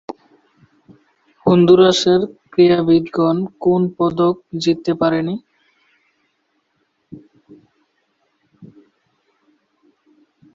হন্ডুরাসের ক্রীড়াবিদগণ কোন পদক জিততে পারেনি।